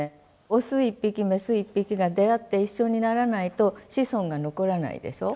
オス一匹メス一匹が出会って一緒にならないと子孫が残らないでしょ。